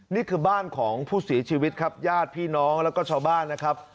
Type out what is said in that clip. นี่คือบ้านของผู้เสียชีวิตครับญาติพี่น้องแล้วก็ชาวบ้านนะครับ